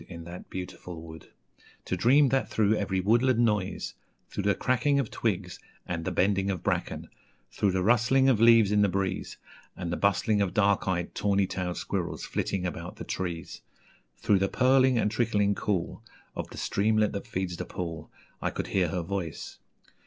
In that beautiful wood, To dream that through every woodland noise, Through the cracking Of twigs and the bending of bracken, Through the rustling Of leaves in the breeze, And the bustling Of dark eyed, tawny tailed squirrels flitting about the trees, Through the purling and trickling cool Of the streamlet that feeds the pool, I could hear her voice.